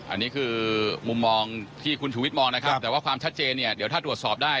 อันนี้คือมุมมองที่คุณชูวิทย์มองนะครับแต่ว่าความชัดเจนเนี่ยเดี๋ยวถ้าตรวจสอบได้